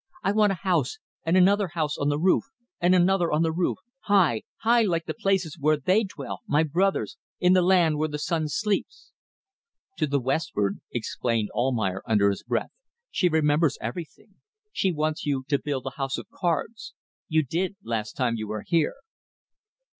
"I want a house, and another house on the roof, and another on the roof high. High! Like the places where they dwell my brothers in the land where the sun sleeps." "To the westward," explained Almayer, under his breath. "She remembers everything. She wants you to build a house of cards. You did, last time you were here."